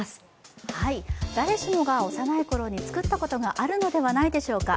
誰しもが幼いころに作ったことがあるのではないでしょうか